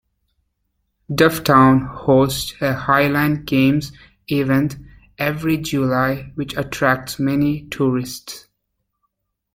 Dufftown hosts a highland games event every July which attracts many tourists.